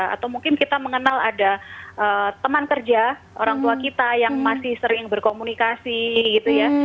atau mungkin kita mengenal ada teman kerja orang tua kita yang masih sering berkomunikasi gitu ya